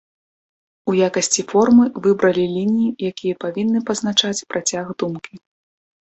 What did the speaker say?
У якасці формы выбралі лініі, якія павінны пазначаць працяг думкі.